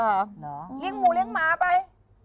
ยิ่งหมูเลี้ยงหมาไป